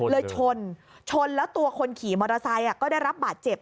ชนชนแล้วตัวคนขี่มอเตอร์ไซค์ก็ได้รับบาดเจ็บ